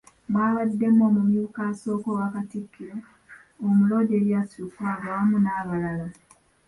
Mwabaddemu omumyuka asooka owa Katikkiro, Omuloodi Erias Lukwago awamu n'abalala.